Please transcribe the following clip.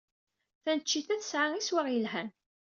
Taneččit-a tesɛa iswaɣ yelhan.